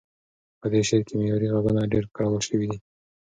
په دې شعر کې معیاري غږونه ډېر کارول شوي دي.